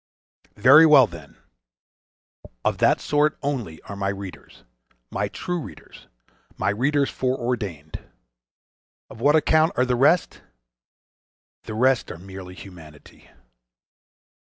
Very well, then! of that sort only are my readers, my true readers, my readers foreordained: of what account are the rest?—The rest are merely humanity.